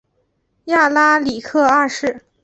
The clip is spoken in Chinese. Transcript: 亚拉里克二世。